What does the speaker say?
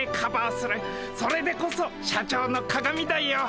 それでこそ社長の鑑だよ。